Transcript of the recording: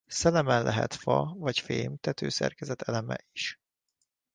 Szelemen lehet fa vagy fém tetőszerkezet eleme is.